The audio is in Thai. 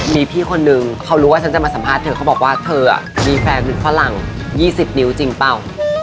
มีพี่คนนึงเขารู้ว่าฉันจะมาสัมภาษณ์เธอเขาบอกว่าเธอมีแฟนเป็นฝรั่ง๒๐นิ้วจริงเปล่า